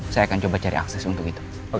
saya akan coba cari akses untuk itu